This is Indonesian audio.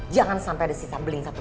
jangan sampe ada sisa bling satu